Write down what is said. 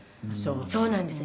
そうなんですよ。